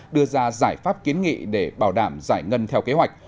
đưa ra giải pháp kiến nghị để bảo đảm giải ngân theo kế hoạch